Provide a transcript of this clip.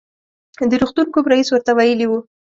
د روغتون کوم رئیس ورته ویلي و.